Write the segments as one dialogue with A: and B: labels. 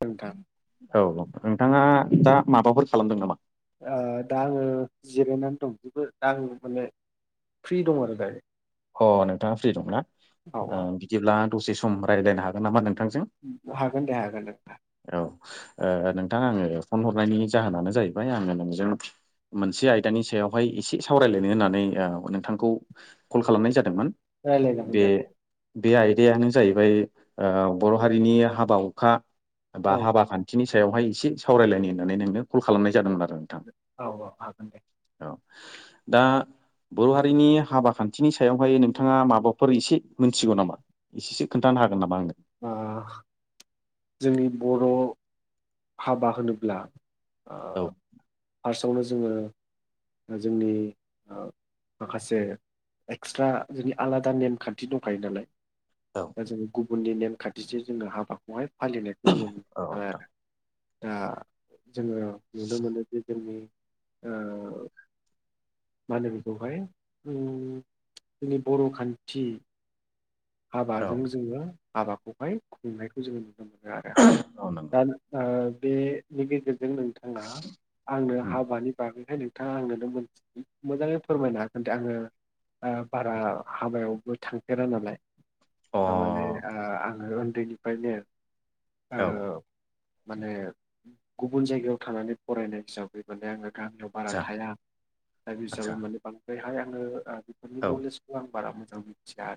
A: मोनथाम
B: औ नोंथाङा दा माबाफोर खालामदों नामा?
A: ओ दा आङो जिरायनानै दंजोबो दा आङो माने। फ्रि दं आरो गायो
B: अ नोंथाङा फ्रि दंना‌
A: औ औ
B: बिदिब्ला दसे सम रायज्लायनो हागोन नामा नोंथांजों।
A: अ हागोन दे हागोन दे नोंथां।
B: औ नोंथां आङो फन हरनायनि जाहोनानो जाहैबाय आङो नोंजों। मोनसे आयदानि सायावहाय एसे सावरायलायनो होननानै नोंथांखौ। कल खालामनाय जादोंमोन
A: रायलायजागोन
B: बे
A: दे
B: बे आयदायानो जाहैबाय बर' हारिनि हाबा-हुखा बा
A: औ
B: हाबा खान्थिनि सायावहाय एसे सावरायलायनो होननानै नोंनो कल खालामनाय जादोंमोन आरो।
A: औ औ हागोन दे।
B: औ दा बर' हारिनि हाबा खान्थि। बिथिनि सायावहाय नोंथाङा माबाफोर एसे मिथिगौ नामा एसेसो खोनन्थानो हागोन नामा आंनो।
A: ओ जोंनि बर'। हाबा होनोब्ला
B: औ
A: फार्स्टआवनो जोंङो। जोंनि माखासे एक्सट्रा जोंनि आलादा नेमखान्थि दंखायो नालाय।
B: औ
A: दा जों गुबुननि नेमखान्थिजों जोंङो हाबाखौहाय फालिनायखौ जोंङो नुनो
B: औ
A: मोनो
B: नोंथां
A: आरो। दा जोंङो नुनो मोनो जे जोंनि ओ। मा होनो बेखौहाय जोंनि बर' खान्थि।
B: औ
A: हाबाजों जोंङो हाबाखौहाय खुंनायखौ जोङो नुनो मोनो आरो।
B: औ
A: दा
B: नंगौ
A: बेनि गेजेरजों नोंथांङा आंनो
B: उम
A: हाबानि बागैखाय नों नोंथांङा आंनोनो मोजाङै फोरमायनो हागोन दे आंङो। बारा हाबायावबो थांफेरा नालाय।
B: अ
A: थारमाने
B: औ
A: आङो उन्दैनिफ्रायनो। माने गुबुन जायगायाव थानानै फरायनाय हिसाब बे माने आंङो गामियाव बारा
B: आदसा
A: थाया दा बे
B: आदसा
A: हिसाबै माने बांद्रायहाय आंङो। बिनि
B: औ ओ
A: नलेजखौ आं बारा मोजां मिथिया।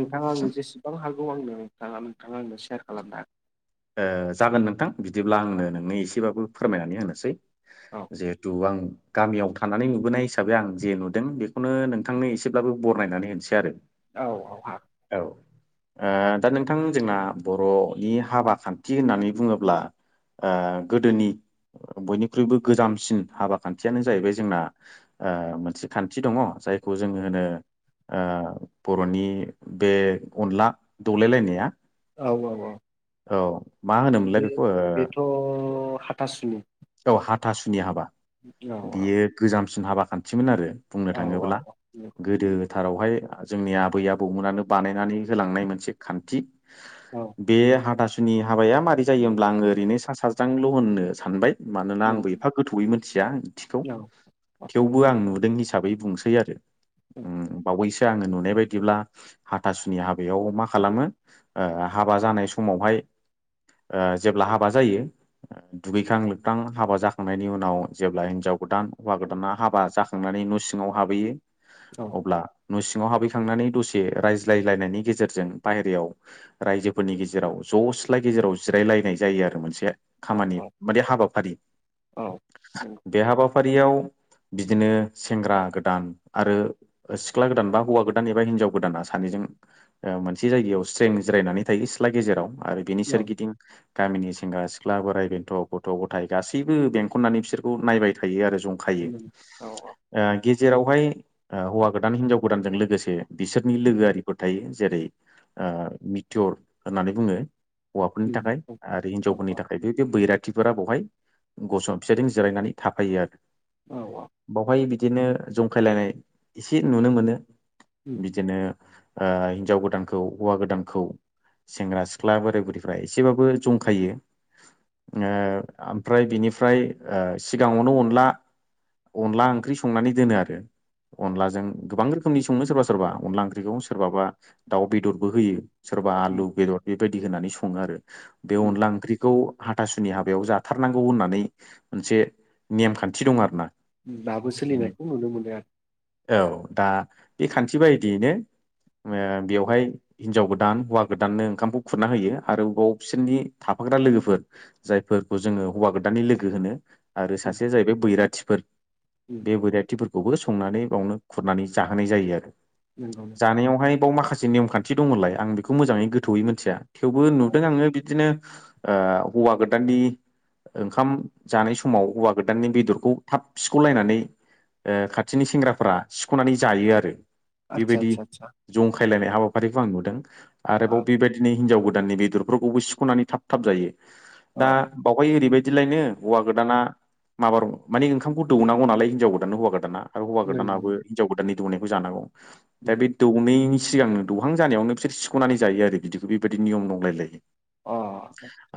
A: नोंथांङा आंनो जेसेबां हागौ आंनो नोंथाङा नोंथांङा आंनो सेयार खालामनो हागोन‌।
B: जागोन नोंथां बिदिब्ला आंनो
A: हागोन
B: नोंनि एसेबाबो फोरमायनानै होनोसै।
A: औ
B: जेहेथु आं गामियाव थानानै नुबोनाय हिसाबै आं जे नुदों बेखौनो नोंथांनो एसेब्लाबो बरनायनानै होनोसै आरो
A: औ औ हाग
B: औ ओ दा नोंथां जोंना बर'नि हाबा खान्थि होननानै बुङोब्ला ओ गोदोनि बयनिख्रुइबो गोजामसिन हाबा खान्थियानो जाहैबाय जोंना मोनसे खान्थि दंङो जायखौ जोंङो होनो। बर'नि बे अनला दौलायलायनाया
A: औ औ औ।
B: औ। मा होनोमोनलाय
A: बे
B: बेखौ
A: बेथ' हाथासुनि।
B: औ हाथासुनि हाबा
A: औ औ
B: बियो गोजामसिन हाबा खान्थिमोन आरो। बुंनो
A: औ
B: थाङोब्ला
A: औ
B: गोदो फोथारावहाय जोंनि आबै आबौमोनानो बानायनानै होलांनाय मोनसे खान्थि
A: औ
B: बे हाथासुनि हाबाया मारै जायो होनब्ला आङो ओरैनो सा साज्रांल' होननो सानबाय मानोना आंबो
A: नंगौ
B: एफा गोथौयै मोनथिया ओंथिखौ
A: औ
B: थेवबो आं नुदों हिसाबै बुंसै आरो बावैसो आंङो नुनाय बायदिब्ला हाथासुनि हाबायाव मा खालामो ओ हाबा जानाय समावहाय ओ जेब्ला हाबा जायो दुगैखां लोबखां हाबा जाखांनायनि उनाव जेब्ला हिनजाव गोदान हौवा गोदाना हाबा जाखां थांनानै न' सिङांव हाबहैयो अब्ला न' सिङाव हाबहैखांनानै दसे रायज्लायलायनायनि गेजेरजों बाहेरायाव रायजोफोरनि गेजेराव ज' सिस्ला गेजेराव जिरायलायनाय जायो आरो मोनसे
A: औ
B: खामानि माने हाबाफारि
A: औ नंगौ
B: बे हाबाफारियाव बिदिनो सेंग्रा गोदान आरो सिख्ला गोदान बा हौवा गोदान एबा हिनजाव गोदाना सानैजों ओ मोनसे जायगायाव स्रें जिरायनानै थायो सिथ्ला गेजेराव आरो बेनि
A: औ
B: सोरगिदिं गामिनि सेंग्रा सिख्ला बोराइ बेन्थ' गथ' गथाय गासैबो बेंखननानै बिसोरखौ नायबाय थायो आरो जं खायो ओ गेजेरावहाय ओ हौवा गोदान हिनजाव गोदानजों लोगोसे बिसोरनि लोगोआरिफोर थायो जेरै ओ मिटिर होननानै बुङो हौवाफोरनि
A: उम
B: थाखाय
A: औ
B: आरो
A: औ
B: हिन्जावफोरनि थाख [unintelligible] बैराथिफोरा बावहाय गसं बिसोरजों जिरायनानै थाफायो आरो
A: औ
B: बावहाय बिदिनो जंखायलायनाय एसे नुनो मोनो
A: उम
B: बिदिनो ओ हिनजाव गोदानखौ हौवा गोदानखौ सेंग्रा सिख्ला बोराय बुरिफ्रा एसेबाबो जंखायो ओ आमफ्राय बिनिफ्राय ओ सिगाङावनो अनला अनला ओंख्रि संनानै दोनो आरो अनलाजों गोबां रोखोमनि सङो सोरबा सोरबा अनला ओंख्रिखौ सोरबाबा दाउ बेदरबो होयो सोरबा
A: उम
B: आलु बेदर बेबायदि होनानै सङो आरो बे
A: उम
B: अनला ओंख्रिखौ हाथासुनि हाबायाव जाथारनांगौ होननानै मोनसे नेमखान्थि दं आरो ना
A: दाबो सोलिनायखौ नुनो मोनो आरो
B: औ दा बे खान्थि बायदियैनो ओ बेवहाय हिन्जाव गोदान हौवा गोदाननो ओंखामखौ खुरना होयो आरो बाव बिसोरनि थाफाग्रा लोगोफोर जायफोरखौ जोङो हौवा गोदानानि लोगो होनो आरो सासेया जाहैबाय बैराथिफोर
A: उ
B: बे बैराथिफोरखौबो संनानै बावनो खुरनानै जाहोनाय जायो आरो
A: नंगौ
B: जानायावहाय बाव माखासे नेमखान्थि दङलाय आं बेखौ मोजाङै गोथौयै मिथिया थेवबो
A: नोंथां औ
B: नुदों आङो बिदिनो ओ हौवा गोदाननि ओंखाम जानाय समाव हौवा गोदाननि बेदरखौ थाब सिख'लायनानै ओ खाथिनि सेंग्राफ्रा सिख'नानै जायो आरो
A: आदसा
B: बेबायदि
A: आदसा आदसा
B: जंखायलायनाय हाबाफारिखौ आं नुदों आरोबाव बेबायदिनो हिनजाव गोद गोदाननि बेदरफोरखौबो सिख'नानै थाब थाब जायो
A: औ
B: दा बावहाय ओरैबायदिलायनो हौवा गोदाना माबार माने ओंखामखौ दौनांगौ नालाय हिनजाव गोदाननो हौवा गोदाना आरो हौवा
A: नंगौ
B: गोदानाबो हिनजाव गोदाननि दौनायखौ जानांगौ दा
A: नंगौ
B: बे दौैनि सिगांनो दौहां जानायावनो बिसोर सिख'नानै जायो आरो बिदिखौ बेबायदि नियम दंलायलायो
A: अ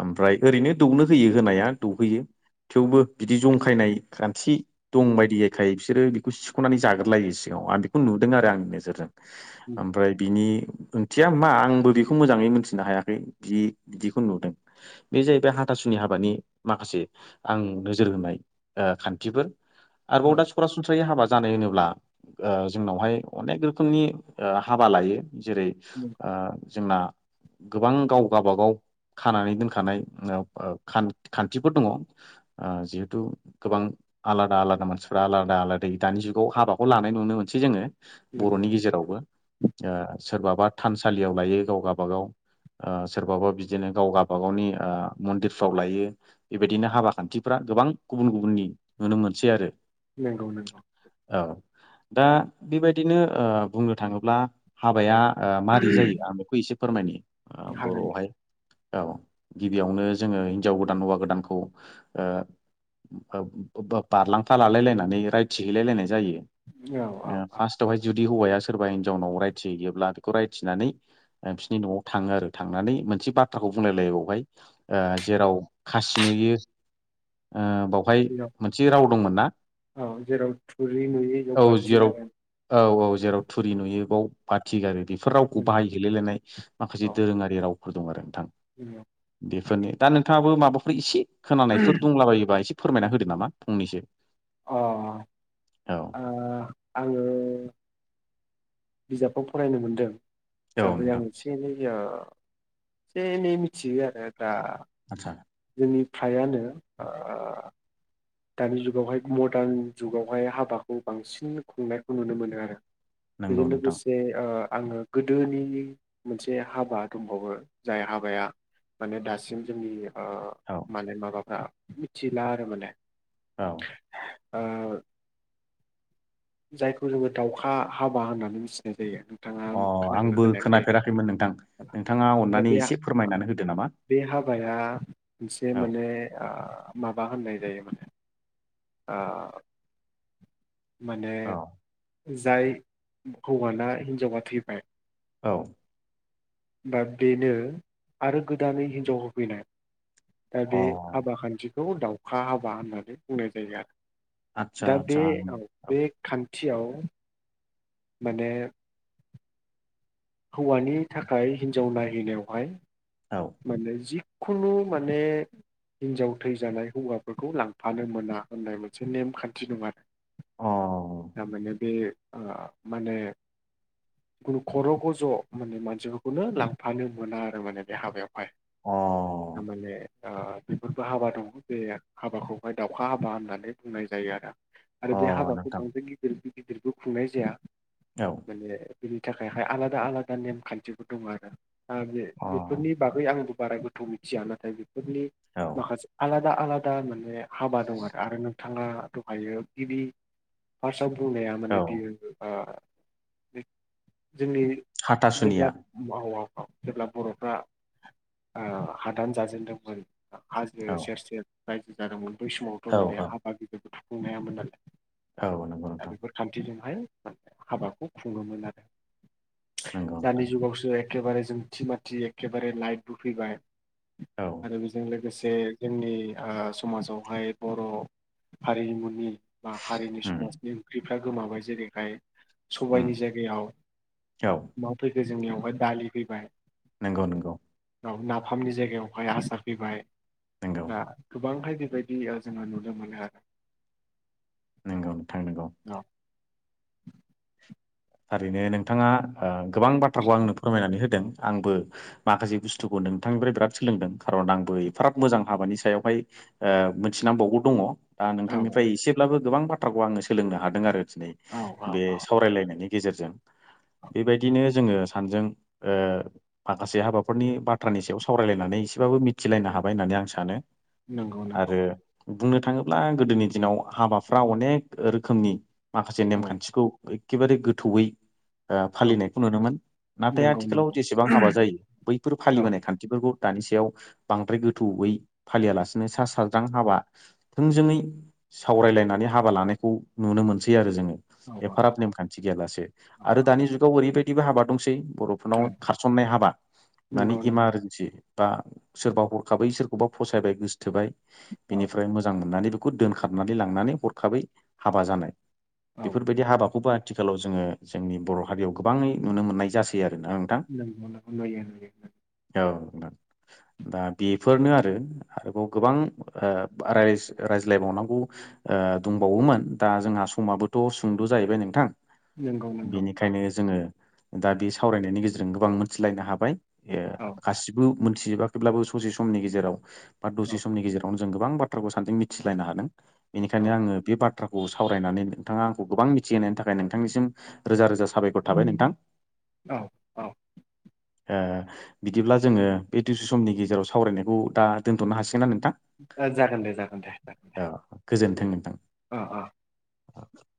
B: ओमफ्राय ओरैनो दौनो होयो होनाया दौहोयो थेवबो बिदि जंखायनाय खान्थि दं बायदियैखाय बिसोरो बेखौ सिख'नानै जाग्रोलायो सिगाङाव आं बेखौ नुदों आरो आंनि नोजोरजों
A: उम
B: ओमफ्राय बिनि ओंथिया मा आंबो बेखौ मोजाङै मिथि नो हायाखै बि बिदिखौ नुदों बे जाहैबाय हाथासुनि हाबानि माखासे आं नोजोर होनाय खान्थिफोर आरोबाव
A: औ
B: दा सरासनस्रायै हाबा जानाय होनोब्ला ओ जोंनावहाय अनेक रोखोमनि ओ हाबा लायो जेरै
A: नंगौ
B: ओ जोंना गोबां गाव गाबागाव खानानै दोनखानाय खान्थिफोर दङ ओ जिहेथु गोबां आलादा आलादा मानसिफ्रा आलादा आलादै दानि जुगाव हाबाखौ लानाय नुनो मोनसै जोङो
A: नंगौ
B: बर'नि गेजेरावबो ओ सोरबाबा थानसालियाव लायो गाव गाबा बागाव सोरबाबा बिदिनो गाव गाबागावनि मन्दिरफ्राव लायो बेबायदिनो हाबा खान्थिफ्रा गोबां गुबुन गुबुननि नुनो मोनसै आरो
A: नंगौ नंगौ
B: औ दा बेबायदिनो ओ बुंनो थाङोब्ला ओ हाबाया मारै जायो आं बेखौ एसे फोरमायनो
A: हागोन दे
B: बर'आवहाय औ गिबियावनो जोङो हिनजाव गोदान हौवा गोदानखौ ओ बारलांफा लालायलायनानै रायथि हैलायलायनाय जायो
A: औ औ औ
B: फार्स्टवहाय जुदि हौवाया सोरबा हिनजावनाव रायथिहैयोब्ला बेखौ रायथिनानै बिसोरनि न'आव थाङो आरो थांनानै मोनसे बाथ्राखौ बुंलायलायो बेावहाय ओ जेराव खासि नुयो ओ बाव ओमफाय
A: बेयाव
B: मोनसे राव दंमोन ना
A: औ जेराव थुरि नुयो बेयाव
B: औ
A: बाथि
B: जेराव
A: गारो
B: औ औ जेराव थुरि नुयो बाव बाथि गारो बेफोर रावखौ
A: औ
B: बाहायहैलाय लायनाय माखासे दोरोङारि रावफोर दं आरो नोंथां
A: [unintelligible]
B: बेफोरनि दा नोंथाङाबो माबाफोर एसे खोनानायफोर दंलाबायोबा एसे फोरमायना होदो नामा फंनैसो
A: अ
B: औ
A: ओ ‌आङो बिजाबखौ फरायनो मोन्दों
B: औ
A: हिसाबै
B: नोंथां
A: आङो एसे एसे एनै मिथियो आरो दा
B: आदसा
A: जोंनि फायानो ओ दानि जुगावहाय मदार्न जुगावहाय हाबाखौ बांसिन खुंनायखौ नुनो मोनो आरो
B: नंगौ
A: बेदिनो
B: नोंथां
A: लोगोसे ओ आङो गोदोनि मोनसे हाबा दंबावो जाय हाबाया माने दासिम जोंनि ओ
B: औ
A: माने माबाफ्रा मिथिला आरो माने
B: औ
A: ओ जायखौ जोङो दावउखा हाबा होननानै मिथिनाय जायो नोंथाङा
B: अ
A: खोनादोंना
B: आंबो
A: खोनायाखै
B: खोनाफेराखैमोन नोंथां नोंथाङा
A: दा
B: अननानै
A: बे
B: एसे फोरमायनानै होदो नामा
A: बे हाबाया मोनसे
B: औ
A: माने माबा होननाय जायो माने ओ माने
B: औ
A: जाय हौवाना हिनजावा थैबाय
B: औ
A: दा बेनो आरो गोदानै हिनजाव होफैनाय दा
B: अ
A: बे हाबा खान्थिखौ दावखा हाबा होननानै बुंनाय जायो
B: आदसा
A: आरो दा बे
B: आदसा
A: औ बे खान्थियाव माने हौवानि थाखाय हिन्जाव नायहैनायावहाय
B: औ
A: माने जिखुनु माने हिनजाव थै जानाय हौवाफोरखौ लांफानो मोना होननाय मोनसे नेमखान्थि दं आरो
B: औ अ
A: थामाने बे माने खुनु खर'गज' माने मानसिफोरखौनो लांफानो मोना आरो माने बे हाबायावहाय
B: अ
A: थारमाने ओ बेफोरबो हाबा दङ बे हाबाखौहाय दाउखा हाबा होननानै खुंनाय जायो आरो
B: अ
A: आरो बे हाबाखौ
B: नोंथां
A: बांद्राय गिदिर गिदिरबो खुंनाय जाया
B: औ
A: बिनि थाखायहाय आलादा-आलादा नेम खान्थिफोर दङ आरो दा बे
B: अ
A: बेफोरनि बागै आंबो बारा गोथौ मिथिया नाथाय बेफोरनि
B: औ
A: माखासे आलादा-आलादा माने हाबा दं आरो आरो नोंथाङा दहायो गिबि फार्स्टआव बुंनाया माने
B: औ
A: बियो ओ जोंनि
B: हाथासुनिया
A: जेब्ला माव औ-औ जेब्ला बर'फ्रा ओ हादान जाजेनदोंमोन हाजो
B: औ
A: सेर-सेर रायजो जादोंमोन बै समावथ'
B: औ औ
A: माने [unintelligible]
B: औ नंगौ
A: दा
B: नोंथां
A: बेफोर खान्थिजोंहाय हाबाखौ खुङोमोन आरो।
B: नंगौ नोंथां
A: दानि
B: नंगौ।
A: जुगावसो एखेबारे जोंथि माथि एखेबारे लाइट बो फैबाय
B: औ
A: आरो बेजों लोगोसे जोंनि ओ समाजावहाय बर' हारिमुनि बा हारिनि
B: उम
A: समाजनि ओंख्रिफ्रा गोमाबाय जेरैखाय
B: उम
A: सबायनि जायगायाव
B: औ
A: मा फैखो जोंनियावहाय दालि फैबाय
B: नंगौ नंगौ
A: नाफामनि जायगायावहाय असार फैबाय
B: नंगौ
A: दा गोबांहाय बेबायदि जियाव जोङो नुनो मोनो
B: नोंगौ नोथां नांगौ
A: औ
B: थारैनो नोंथाङा गोबां बाथ्राखौ आंनो फोरमायनानै होदों आंबो माखासे बुस्थुखौ नोंथांनिफ्राय बिराद सोलोंदों खारन आंबो एफाराद मोजां हाबानि सायावहाय मिथिनांबावगौ दङ दा
A: औ औ
B: नोंथांनिफ्राय एसेब्लाबो गोबां बाथ थ्राखौ आङो सोलोंनो हादों आरो दिनै
A: औ औ
B: बे
A: औ
B: सावरायलायनायनि गेजेरजों। बेबायदिनो जोङो सानजों ओ माखासे हाबाफोरनि बाथ्रानि सायाव सावरायलायनानै एसेबाबो मिथिलायनो हाबाय होननानै आं सानो।
A: नंगौ नंगौ
B: आरो बुंनो थाङोब्ला गोदोनि दिनाव हाबाफ्रा अनेक रोखोमनि माखासे
A: औ
B: नेमखान्थिखौ एखेबारे गोथौयै
A: औ
B: फालिनायखौ नुनो मोन नाथाय
A: नंगौ
B: आथिखालाव
A: नंगौ
B: जेसेबां हाबा जायो बैफोर
A: औ
B: फालिबोनाय खान्थि बिफोरखौ दानि सायाव बांद्राय गोथौयै फालियालासिनो सा साज्रां हाबा थोंजोङै सावरायलायनानै हाबा लानायखौ नुनो मोनसै आरो जोङो
A: औ
B: एफाराब नेमखान्थि गैयालासे
A: औ
B: आरो
A: औ
B: दानि जुगाव ओरैबायदिबो हाबा दंसै बर'
A: औ
B: बिुनाव खारसननाय हाबा मानि
A: नंगौ नंगौ
B: इमारजेन्सि बा सोरबा हरखाबाय सोरखौबा फसायबाय गोसथोबाय
A: औ
B: बिनिफ्राय मोजां मोननानैबो बेखौ दोनखाबनानै लांनानै हरखाबै हाबा जानाय
A: औ
B: बेफोरबायदि हाबाखौबो आथिखालाव जोङो जोंनि बर' हारियाव गोबाङै नुनो मोननाय जासै आरोना
A: [inaudible]
B: औ दा बेफोरनो आरो आरोबाव गोबां [unintelligible] रायज्लायबावनांगौ दंबावोमोन दा जोंहा समाबोथ' सुंद' जाहैबाय नोंथां
A: नंगौ नंगौ औ
B: बेनिखायनो जोङो दा बे सावरायनायनि गेजेरजों गोबां मोनथिलायनो हाबाय
A: औ
B: गासिबो मोनथिजोबाखैब्लाबो ससे समनि गेजेराव बा दसे समनि गेजेरावनो गोबां बाथ्राखौ सानैजों मिथिलायनो हादों
A: औ
B: बेनिखायनो आङो बे बाथ्राखौ सावरायनानै नोंथाङा आंखौ गोबां मिथिहोनायनि थाखाय नोंथांनिसिम रोजा रोजा साबायखर थाबाय नोंथां
A: औ औ
B: बिदिब्ला जोङो बे दसे समनि गेजेराव सावरायनायखौ दा दोनथ'नो हासिगोनना नोंथां
A: जागोन दे जागोन दे जागोन
B: औ
A: दे।
B: गोजोन्थों नोंथां।
A: आ-आ
B: [inaudible]